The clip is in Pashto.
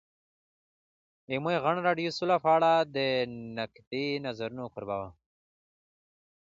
ازادي راډیو د سوله په اړه د نقدي نظرونو کوربه وه.